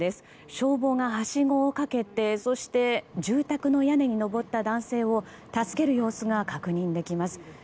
消防がはしごをかけてそして、住宅の屋根に上った男性を助ける様子が確認できます。